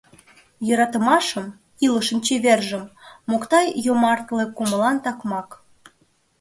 Йӧратымашым — илышын чевержым — Мокта йомартле кумылан такмак.